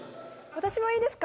私もいいですか？